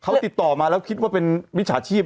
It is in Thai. เขาติดต่อมาแล้วคิดว่าเป็นมิจฉาชีพ